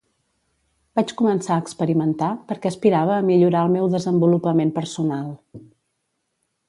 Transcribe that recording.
Vaig començar a experimentar perquè aspirava a millorar el meu desenvolupament personal.